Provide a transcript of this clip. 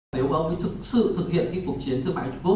nếu báo viên thực sự thực hiện cuộc chiến thương mại trung quốc